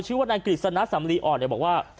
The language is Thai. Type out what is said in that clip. ชื่อว่านายกฤษณะสำลีอ่อนบอกว่า